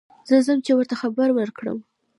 زه ځم چې ور ته خبر ور کړم.